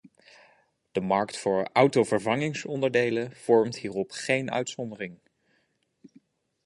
De markt voor autovervangingsonderdelen vormt hierop geen uitzondering.